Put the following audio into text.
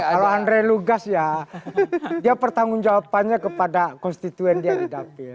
kalau andre lugas ya dia pertanggung jawabannya kepada konstituen yang didapil